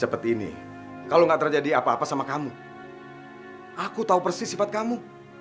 seperti ini kalau enggak terjadi apa apa sama kamu aku tahu persis sifat kamu